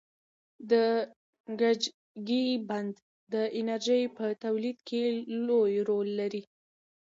د کجکي بند د انرژۍ په تولید کې لوی رول لري.